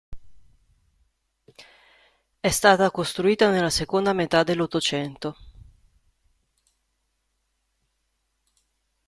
È stata costruita nella seconda metà dell'Ottocento.